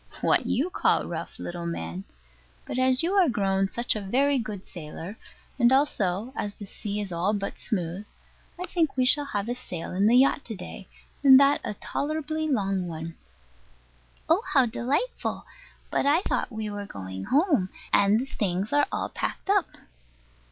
What you call rough, little man. But as you are grown such a very good sailor, and also as the sea is all but smooth, I think we will have a sail in the yacht to day, and that a tolerably long one. Oh, how delightful! but I thought we were going home; and the things are all packed up.